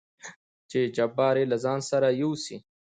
چې جبار يې له ځانه سره يوسي.